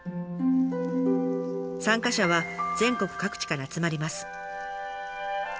参加者は全国各地から集まります。